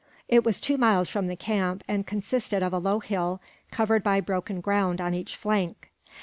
It was two miles from the camp, and consisted of a low hill, covered by broken ground on each flank.